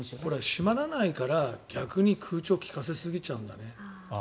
閉まらないから逆に空調を利かせすぎちゃうんだね。